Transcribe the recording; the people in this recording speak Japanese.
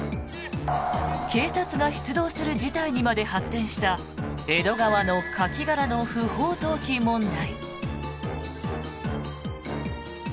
警察が出動する事態にまで発展した江戸川のカキ殻の不法投棄問題。